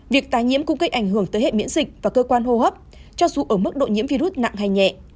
việc tái nhiễm cũng gây ảnh hưởng tới hệ miễn dịch và cơ quan hô hấp cho dù ở mức độ nhiễm virus nặng hay nhẹ